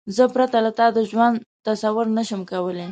زه پرته له تا د ژوند تصور نشم کولای.